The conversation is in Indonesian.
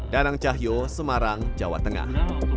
danang cahyo semarang jawa tengah